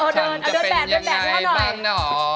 ฉันจะเป็นยังไงบ้างหรอ